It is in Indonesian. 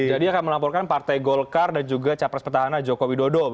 jadi akan melaporkan partai golkar dan juga capres petahana joko widodo